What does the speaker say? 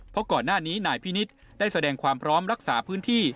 เพราะก่อนหน้านี้นายพินิษฐ์ได้แสดงความพร้อมรักษาพื้นที่